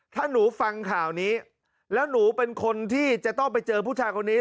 ถ้าหนูฟังข่าวนี้แล้วหนูเป็นคนที่จะต้องไปเจอผู้ชายคนนี้